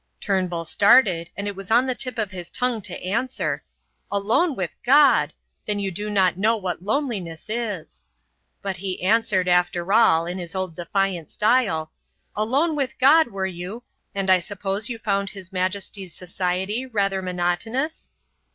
Turnbull started, and it was on the tip of his tongue to answer: "Alone with God! Then you do not know what loneliness is." But he answered, after all, in his old defiant style: "Alone with God, were you? And I suppose you found his Majesty's society rather monotonous?"